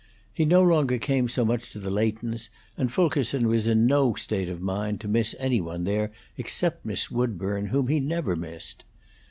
He no longer came so much to the Leightons, and Fulkerson was in no state of mind to miss any one there except Miss Woodburn, whom he never missed.